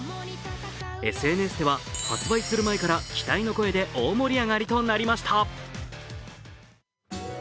ＳＮＳでは発売する前から期待の声で大盛り上がりとなりました。